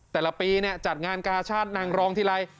แต่ละปีเนี่ยจัดงานกาชาดนางรองทีไร